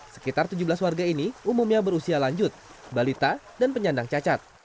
sekitar tujuh belas warga ini umumnya berusia lanjut balita dan penyandang cacat